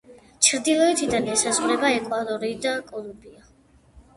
ჩრდილოეთიდან ესაზღვრება ეკვადორი და კოლუმბია.